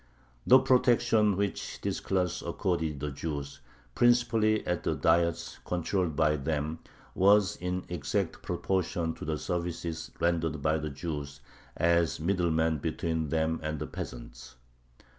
The protection which this class accorded the Jews, principally at the Diets controlled by them, was in exact proportion to the services rendered by the Jews as middlemen between them and the peasants.